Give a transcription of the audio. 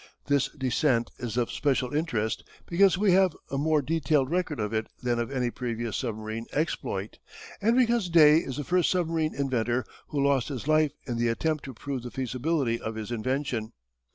This descent is of special interest because we have a more detailed record of it than of any previous submarine exploit, and because Day is the first submarine inventor who lost his life in the attempt to prove the feasibility of his invention.